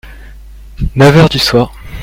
Neuf heures du soir.